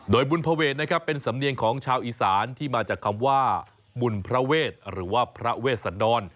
โดยบุญเผาเวทเป็นศำเนียงของชาวอีสานที่มาจากคำว่าบุญเผาเวทหรือว่าพระเวสะดอน